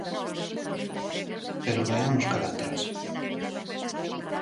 Pero vaiamos cara a atrás.